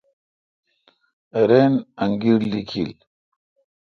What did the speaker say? رن انگیر لیکیل ۔